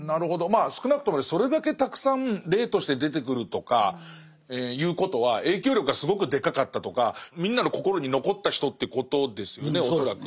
まあ少なくともそれだけたくさん霊として出てくるとかいうことは影響力がすごくでかかったとかみんなの心に残った人ってことですよね恐らく。